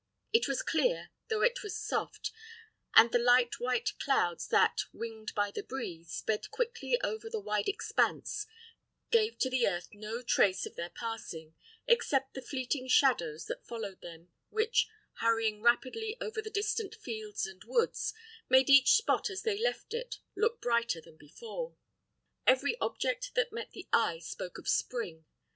It was clear, though it was soft; and the light white clouds that, winged by the breeze, sped quickly over the wide expanse, gave to the earth no trace of their passing, except the fleeting shadows that followed them, which, hurrying rapidly over the distant fields and woods, made each spot as they left it look brighter than before. Every object that met the eye spoke of spring.